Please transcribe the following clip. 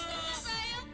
orang orang ada bu